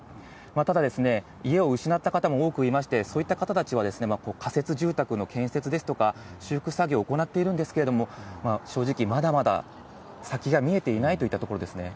ただ、家を失った方も多くいまして、そういった方たちは、仮設住宅の建設ですとか、修復作業を行っているんですけれども、正直、まだまだ先が見えていないといったところですね。